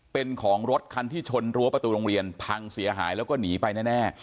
เป็นของรถคันที่ชนรั้วประตูโรงเรียนพังเสียหายแล้วก็หนีไปแน่